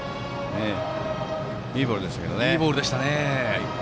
いいボールでしたけどね。